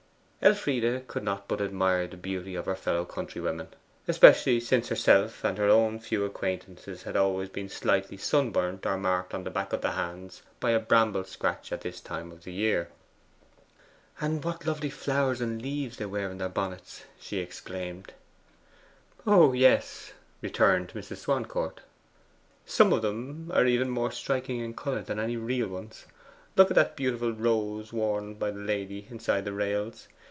Elfride could not but admire the beauty of her fellow countrywomen, especially since herself and her own few acquaintances had always been slightly sunburnt or marked on the back of the hands by a bramble scratch at this time of the year. 'And what lovely flowers and leaves they wear in their bonnets!' she exclaimed. 'Oh yes,' returned Mrs. Swancourt. 'Some of them are even more striking in colour than any real ones. Look at that beautiful rose worn by the lady inside the rails.